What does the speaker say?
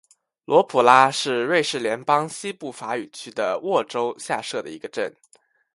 罗普拉是瑞士联邦西部法语区的沃州下设的一个镇。